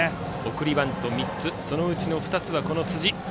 送りバント３つそのうちの２つは辻。